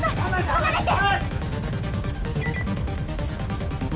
離れて！